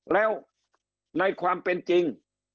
แล้วในความเป็นจริง